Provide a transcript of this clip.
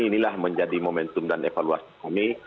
inilah menjadi momentum dan evaluasi kami